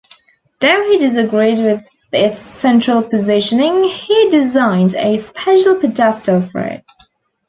Though he disagreed with its central positioning, he designed a special pedestal for it.